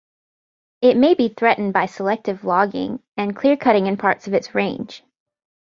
It may be threatened by selective logging and clearcutting in parts of its range.